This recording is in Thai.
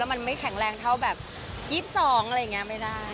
มันไม่แข็งแรงเท่าแบบ๒๒อะไรอย่างนี้ไม่ได้